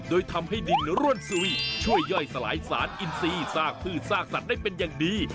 โดยทำให้ดินร่วนสุยช่วยย่อยสลายสารอินซีซากพืชซากสัตว์ได้เป็นอย่างดี